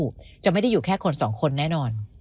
คุณส่งเข้ามาที่ชีวิตที่สองคนแน่นอน